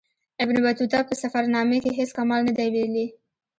ابن بطوطه په سفرنامې کې هیڅ کمال نه دی ویلی.